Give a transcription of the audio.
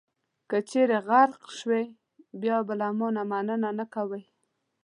که چېرې غرق شوئ، بیا به له ما مننه نه کوئ.